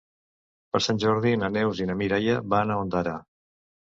Per Sant Jordi na Neus i na Mireia van a Ondara.